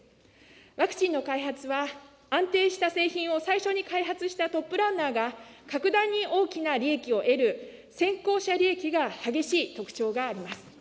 ワクチンの開発は、安定した製品を最初に開発したトップランナーが、格段に大きな利益を得る、先行者利益が激しい特徴があります。